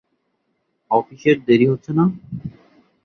অফিসের দেরি হচ্ছে না?